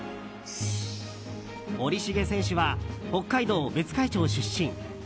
森重選手は北海道別海町出身。